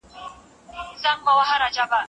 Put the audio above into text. د اولادونو په روزنه کي د مور علم څه رول لري؟